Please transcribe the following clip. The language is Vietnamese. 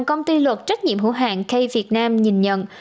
đồng công ty luật trách nhiệm hữu hạn k việt nam nhìn nhận